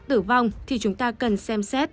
tử vong thì chúng ta cần xem xét